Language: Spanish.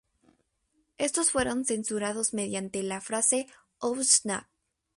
Estos fueron censurados mediante la frase "Oh Snap!